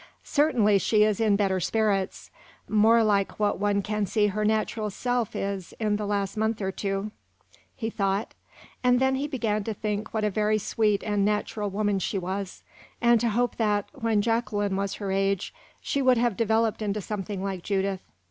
"Certainly she is in better spirits more like what one can see her natural self is in the last month or two," he thought; and then he began to think what a very sweet and natural woman she was, and to hope that, when Jacqueline was her age, she would have developed into something like Judith.